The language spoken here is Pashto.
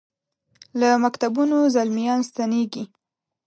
له مکتبونو زلمیا ن ستنیږي